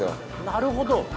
なるほど。